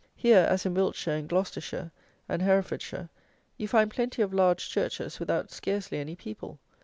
Here, as in Wiltshire and Gloucestershire and Herefordshire, you find plenty of large churches without scarcely any people.